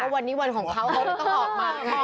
วันนี้วันของเขาต้องออกมา